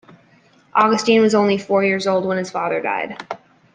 Augustine was only four years old when his father died.